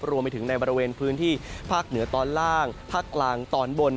รวมไปถึงในบริเวณพื้นที่ภาคเหนือตอนล่างภาคกลางตอนบน